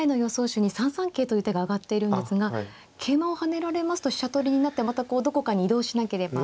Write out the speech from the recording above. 手に３三桂という手が挙がっているんですが桂馬を跳ねられますと飛車取りになってまあこうどこかに移動しなければ。